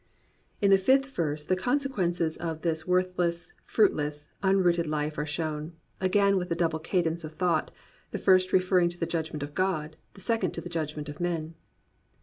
In the fifth verse the consequences of this worth less, fruitless, unrooted life are shown, again with a double cadence of thought, the first referring to the judgment of God, the second to the judgment of men.